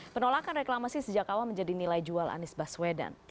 penolakan reklamasi sejak awal menjadi nilai jual anies baswedan